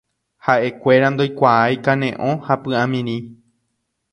Ha'ekuéra ndoikuaái kane'õ ha py'amirĩ